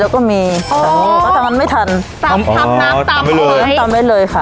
แล้วก็มีเอ่อพอถังะไม่ทันทำน้ำตำไว้เลยน้ำตำไว้เลยค่ะค่ะ